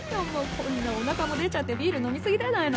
こんなおなかも出ちゃってビール飲みすぎじゃないの？